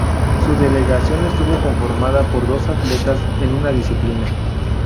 Su delegación estuvo conformada por dos atletas en una disciplina.